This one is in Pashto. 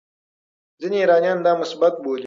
ځینې ایرانیان دا مثبت بولي.